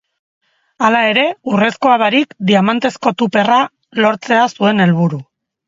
Hala ere, urrezkoa barik, diamantezko tuperra lortzea zuten helburu.